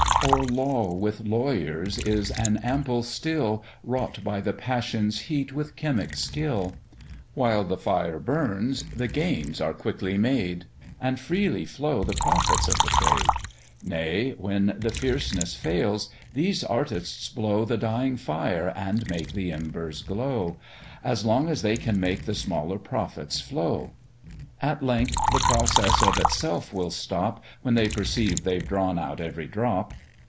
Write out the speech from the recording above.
Or Law with lawyers is an ample still, Wrought by the passions' heat with chymic skill: While the fire burns, the gains are quickly made, And freely flow the profits of the trade; Nay, when the fierceness fails, these artists blow The dying fire, and make the embers glow, As long as they can make the smaller profits flow: At length the process of itself will stop, When they perceive they've drawn out every drop.